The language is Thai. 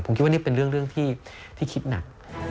ผมคิดว่านี่เป็นเรื่องที่คิดหนัก